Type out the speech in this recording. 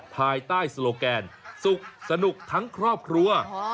ภายใต้โลแกนสุขสนุกทั้งครอบครัว